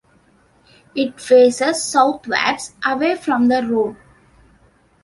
It faces southwards, away from the road.